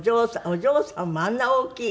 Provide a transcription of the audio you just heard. お嬢さんもあんな大きい。